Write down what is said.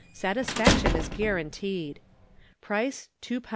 Satisfaction is guaranteed. Price £2 10s.